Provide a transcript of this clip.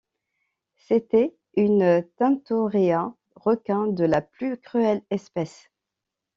C’était une tintorea, requin de la plus cruelle espèce.